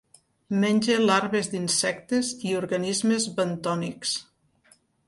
Menja larves d'insectes i organismes bentònics.